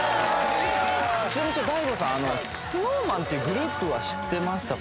ＤＡＩＧＯさんＳｎｏｗＭａｎっていうグループは知ってましたか？